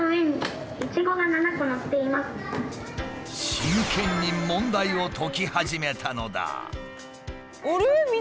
真剣に問題を解き始めたのだ。